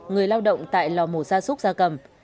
người lao động tại lò mổ gia súc gia cầm